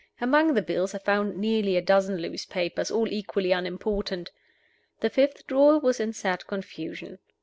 Among the bills I found nearly a dozen loose papers, all equally unimportant. The fifth drawer was in sad confusion.